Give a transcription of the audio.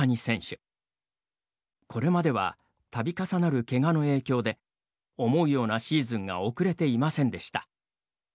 これまではたび重なるけがの影響で思うようなシーズンが送れていませんでした。